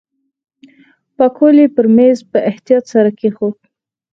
پکول یې پر میز په احتیاط سره کېښود.